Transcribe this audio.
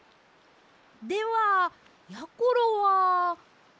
ではやころは。